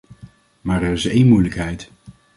Maar er is één moeilijkheid.